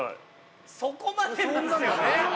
そこまでなんですよね。